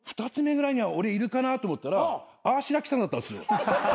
２つ目ぐらいには俺いるかな？と思ったらあぁしらきさんだったんす。